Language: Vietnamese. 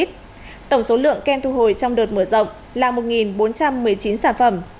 tổng số lượng kem thu hồi trong đợt mở rộng là một bốn trăm một mươi chín sản phẩm